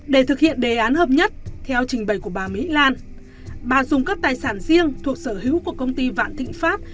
để thực hiện đề án hợp nhất theo trình bày của bà mỹ lan bà dùng các tài sản riêng thuộc sở hữu của công ty vạn thịnh pháp